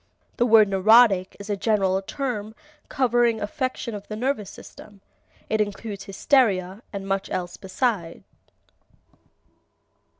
The word neurotic is a general term covering affection of the nervous system. It includes hysteria and much else beside.